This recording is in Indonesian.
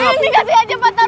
ini kasih aja cepetan